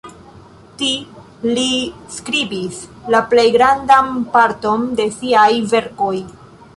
Ti li skribis la plej grandan parton de siaj verkoj.